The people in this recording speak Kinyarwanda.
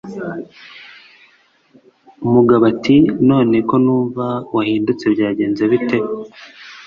umugabo ati none ko numva wahindutse byagenze bite!